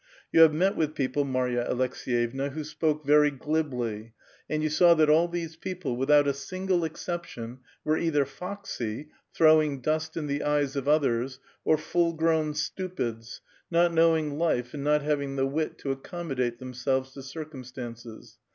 You have met with i)eoi>le, Marva AleKs^yevua, who spoke very glibl}', anil you s>aw that all these people, without a single excep tion, were either foxy, thi owing dust in the eyes of others, or full grown stupitls, not knowing life and not having the wit to aceominudate themselves to circumstances.